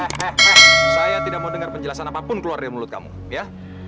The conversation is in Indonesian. eh eh eh saya tidak mau dengar penjelasan apapun keluar dari mulut kamu ya